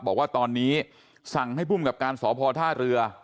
บอกว่าตอนนี้สั่งให้ภูมิกับการสพท่าเรือ